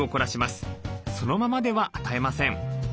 そのままでは与えません。